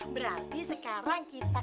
berarti sekarang kita